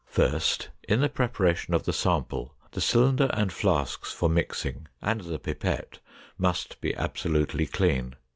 First, in the preparation of the sample, the cylinder and flasks for mixing, and the pipette must be absolutely clean.